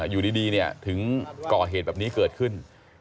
อยู่ดีถึงก่อเหตุแบบนี้เกิดขึ้น